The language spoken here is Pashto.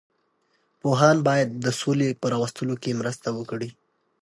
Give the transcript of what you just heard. پوهان باید د سولې په راوستلو کې مرسته وکړي.